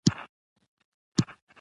په مجاز کښي قرینه لازمي يي.